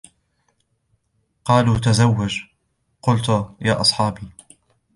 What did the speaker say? قالوا تزوَّج، قلتُ: يا أصحابي